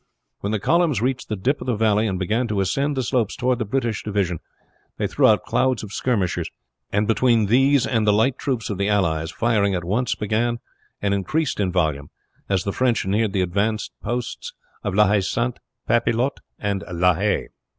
When the columns reached the dip of the valley and began to ascend the slopes toward the British division they threw out clouds of skirmishers and between these and the light troops of the allies firing at once began, and increased in volume as the French neared the advanced posts of La Haye Sainte, Papelotte, and La Haye.